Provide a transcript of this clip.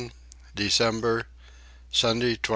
December. Sunday 23.